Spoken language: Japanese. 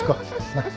なっ？